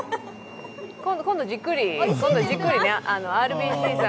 今度じっくりＲＢＣさん。